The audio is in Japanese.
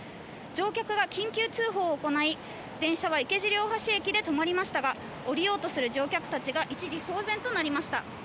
乗客が緊急通報を行い電車は池尻大橋駅で止まりましたが降りようとする乗客たちが一時、騒然となりました。